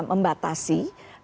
jadi memang kami tidak bisa membatasi